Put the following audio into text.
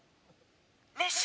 熱唱！